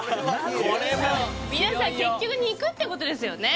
皆さん結局肉ってことですよね